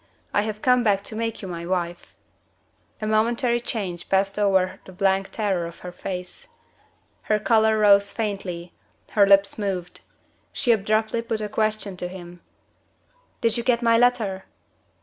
I have come back to make you my wife." A momentary change passed over the blank terror of her face. Her color rose faintly, her lips moved. She abruptly put a question to him. "Did you get my letter?"